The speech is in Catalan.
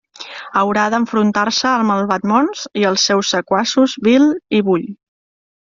Haurà d'enfrontar-se al malvat Mons i als seus sequaços Bill i Bull.